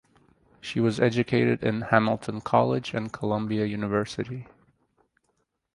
She was educated in Hamilton College and Columbia University.